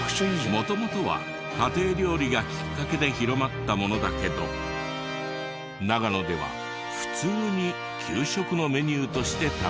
元々は家庭料理がきっかけで広まったものだけど長野では普通に給食のメニューとして食べられていた。